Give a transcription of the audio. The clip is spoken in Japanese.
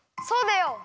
そうだよ。